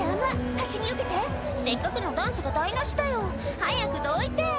端によけてせっかくのダンスが台無しだよ早くどいて！